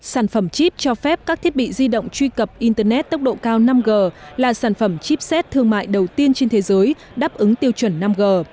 sản phẩm chip cho phép các thiết bị di động truy cập internet tốc độ cao năm g là sản phẩm chipset thương mại đầu tiên trên thế giới đáp ứng tiêu chuẩn năm g